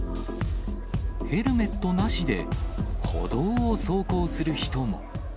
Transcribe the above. ヘルメットなしで歩道を走行する人も。